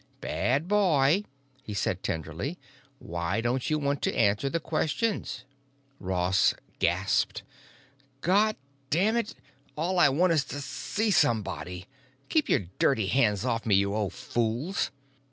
"Bad boy," he said tenderly. "Why don't you want to answer the questions?" Ross gasped, "God damn it, all I want is to see somebody! Keep your dirty hands off me, you old fools!"